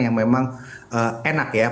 kita bisa menjual makanan yang memang enak ya